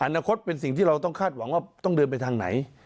อนาคตเป็นสิ่งที่เราต้องคาดหวังว่าต้องเดินไปทางไหน